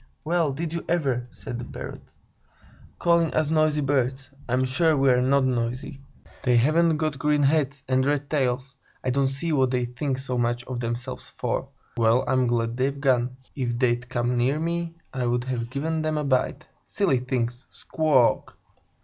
"Well, did you ever!" said the Parrots. "Calling us noisy birds! I'm sure we're not noisy. They haven't got green heads and red tails; I don't see what they think so much of themselves for! Well, I'm glad they've gone! If they'd come near me, I'd have given them a bite! Silly things! Squawk k k!"